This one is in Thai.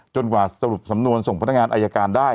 ชอบคุณครับ